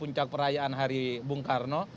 puncak perayaan hari bung karno